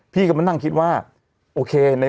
พี่ก็มานั่งคิดว่าโอเค